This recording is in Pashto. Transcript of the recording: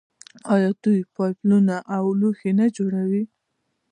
آیا دوی پایپونه او لوښي نه جوړوي؟